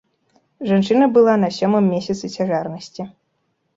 Жанчына была на сёмым месяцы цяжарнасці.